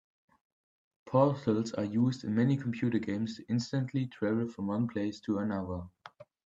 Portals are used in many computer games to instantly travel from one place to another.